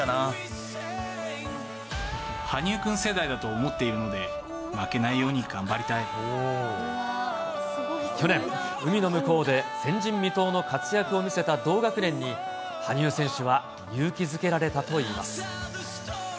羽生君世代だと思っているの去年、海の向こうで前人未到の活躍を見せた同学年に、羽生選手は勇気づけられたといいます。